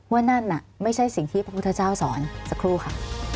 นั่นน่ะไม่ใช่สิ่งที่พระพุทธเจ้าสอนสักครู่ค่ะ